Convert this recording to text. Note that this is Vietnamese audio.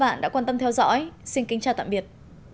bạn đã quan tâm theo dõi xin kính chào tạm biệt